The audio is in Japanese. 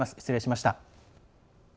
失礼しました。